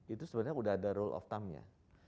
itu sebenarnya sudah ada rule of time nya